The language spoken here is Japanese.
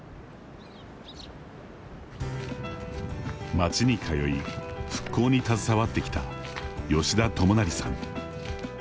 町に通い、復興に携わってきた吉田知成さん。